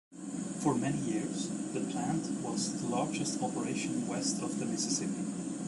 For many years, the plant was the largest operation west of the Mississippi.